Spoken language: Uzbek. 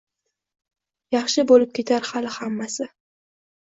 -Yaxshi bo’lib ketar hali hammasi…